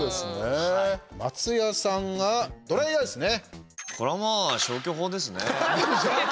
松也さんがドライヤーですね。